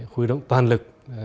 huy động toàn lực